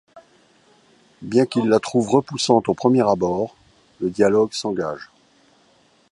Bien qu'il la trouve repoussante au premier abord, le dialogue s'engage.